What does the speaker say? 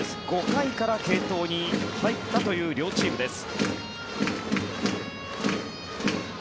５回から継投に入ったという両チームです。